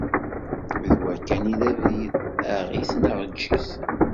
D wa kan i d abrid: aɣ-it neɣ eǧǧ-it